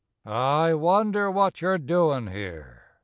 I wonder what you're doin' here?